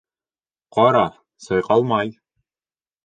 Ҡара, сайҡалмай.